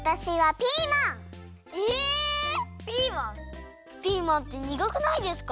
ピーマンってにがくないですか？